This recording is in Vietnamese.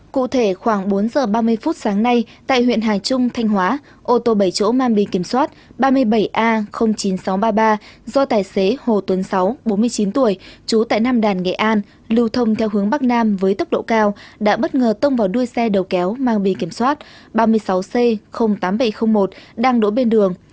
cụ thể khoảng bốn giờ ba mươi phút sáng nay tại huyện hà trung thanh hóa ô tô bảy chỗ mang bị kiểm soát ba mươi bảy a chín nghìn sáu trăm ba mươi ba do tài xế hồ tuấn sáu bốn mươi chín tuổi trú tại nam đàn nghệ an lưu thông theo hướng bắc nam với tốc độ cao đã bất ngờ tông vào đuôi xe đầu kéo mang bị kiểm soát ba mươi sáu c tám nghìn bảy trăm linh một đang đổ bên đường